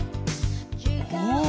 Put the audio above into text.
お！